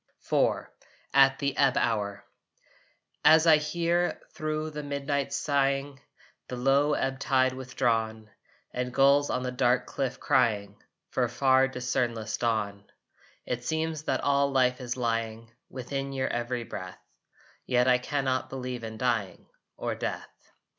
IV AT THE EBB HOUR As I hear, thro the midnight sighing, The low ebb tide withdrawn, And gulls on the dark cliff crying For far discernless dawn, It seems that all life is lying Within your every breath, Yet I can not believe in dying, Or death.